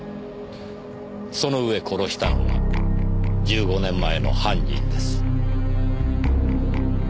その上殺したのは１５年前の犯人です。